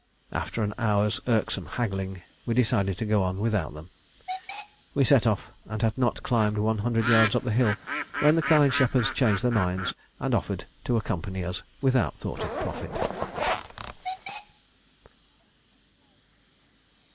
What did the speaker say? After an hour's irksome haggling we decided to go on without them. We set off, and had not climbed one hundred yards up the hill when the kind shepherds changed their minds and offered to accompany us without thought of profit.